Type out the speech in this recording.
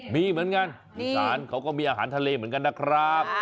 มีเหมือนกันอีสานเขาก็มีอาหารทะเลเหมือนกันนะครับ